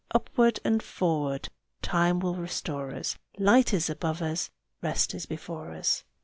Upward and forward! Time will restore us: Light is above us, Rest is before us.